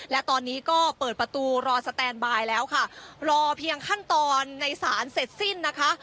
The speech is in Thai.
และตอนนี้ก็เปิดประตูรอสแตนบายแล้วค่ะรอเพียงขั้นตอนในศาลเสร็จสิ้นนะคะ